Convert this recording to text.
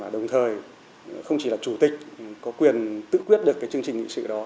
đồng thời không chỉ là chủ tịch có quyền tự quyết được cái chương trình nghị sự đó